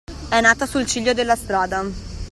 È nata sul ciglio della strada.